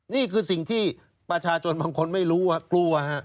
นี่คือสิ่งที่ประชาชนบางคนไม่รู้ว่ากลัวฮะ